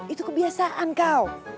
itu kebiasaan kau